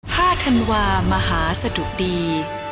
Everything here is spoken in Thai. ธันวามหาสะดุดี